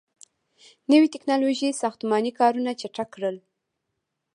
• نوي ټیکنالوژۍ ساختماني کارونه چټک کړل.